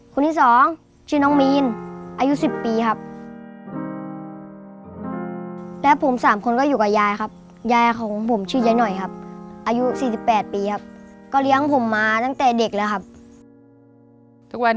คนที่๒ชื่นน้องมีนอายุ๑๐ปีครับ